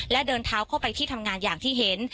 และเดินเท้าเข้าไปที่ทำงานอย่างที่เห็น